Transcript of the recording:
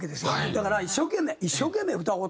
だから一生懸命一生懸命歌おうと思うのね。